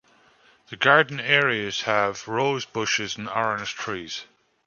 The garden areas have rosebushes and orange trees.